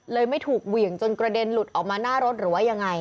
ไม่ถูกเหวี่ยงจนกระเด็นหลุดออกมาหน้ารถหรือว่ายังไง